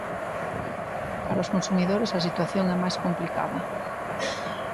Para os consumidores a situación é máis complicada.